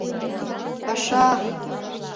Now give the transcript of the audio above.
Паша-а!..